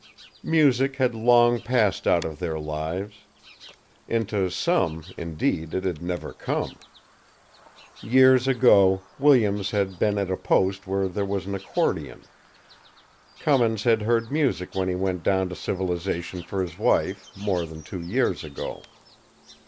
Music had long passed out of their lives. Into some, indeed, it had never come. Years ago, Williams had been at a post where there was an accordion. Cummins had heard music when he went down to civilization for his wife, more than two years ago.